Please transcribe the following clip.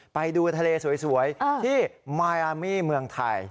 ไปดูทะเลสวยที่มายอามี่เมืองไทย